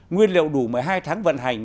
nguyên liệu đủ một mươi hai tháng vận hành